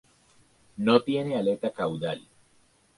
No tiene aleta caudal.